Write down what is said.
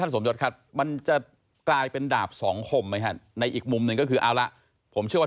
และก็สปอร์ตเรียนว่าคำน่าจะมีการล็อคกรมการสังขัดสปอร์ตเรื่องหน้าในวงการกีฬาประกอบสนับไทย